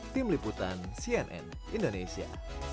tim liputan cnn indonesia